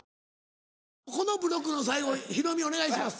このブロックの最後ヒロミお願いします。